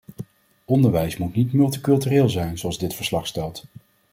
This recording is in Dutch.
Onderwijs moet niet multicultureel zijn zoals dit verslag stelt.